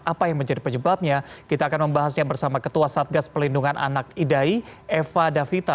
apa yang menjadi penyebabnya kita akan membahasnya bersama ketua satgas pelindungan anak idai eva davita